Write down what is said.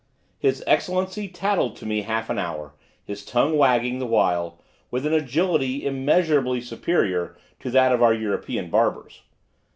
His excellency tattled to me half an hour, his tongue wagging, the while, with an agility immeasurably superior to that of our European barbers.